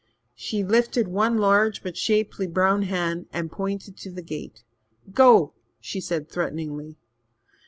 She lifted one large but shapely brown hand and pointed to the gate. "Go!" she said threateningly.